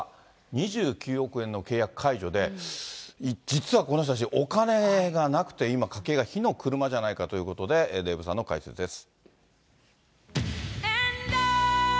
２９億円の契約解除で、実はこの人たち、お金がなくて、今、家計が火の車じゃないかということで、デーブさんの解説です。